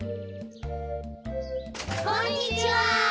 こんにちは！